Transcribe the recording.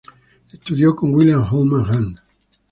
Estudió con William Holman Hunt.